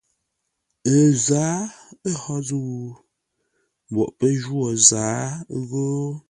Ə zǎa hó zə̂u? Mboʼ pə́ jwô zǎa ghó?